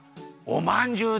おまんじゅう！？